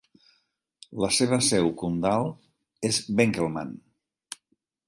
La seva seu comtal és Benkelman.